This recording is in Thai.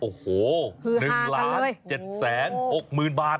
โอ้โห๑ล้าน๗๖๐๐๐๐บาท